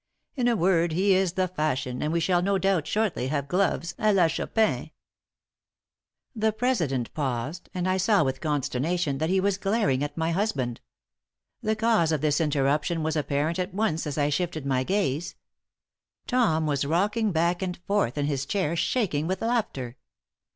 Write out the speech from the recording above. In a word, he is the fashion, and we shall no doubt shortly have gloves à la Chopin.'" The president paused, and I saw with consternation that he was glaring at my husband. The cause of this interruption was apparent at once as I shifted my gaze. Tom was rocking back and forth in his chair, shaking with laughter.